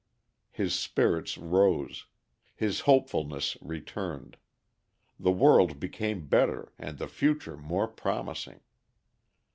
His spirits rose. His hopefulness returned. The world became better and the future more promising.